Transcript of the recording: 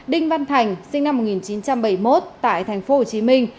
đinh văn thành sinh năm một nghìn chín trăm bảy mươi một tại tp hcm